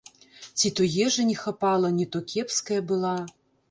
Ці то ежы не хапала, не то кепская была.